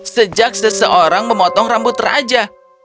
sejak seseorang memotong rambut raja